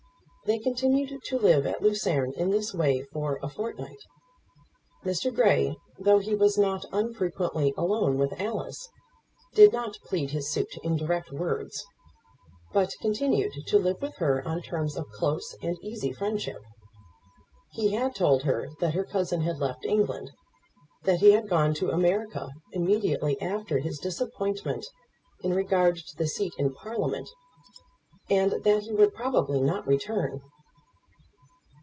They continued to live at Lucerne in this way for a fortnight. Mr. Grey, though he was not unfrequently alone with Alice, did not plead his suit in direct words; but continued to live with her on terms of close and easy friendship. He had told her that her cousin had left England, that he had gone to America immediately after his disappointment in regard to the seat in Parliament, and that he would probably not return.